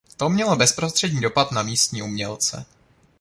To mělo bezprostřední dopad na místní umělce.